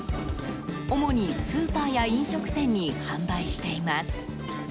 主にスーパーや飲食店に販売しています。